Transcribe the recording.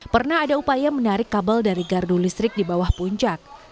pernah ada upaya menarik kabel dari gardu listrik di bawah puncak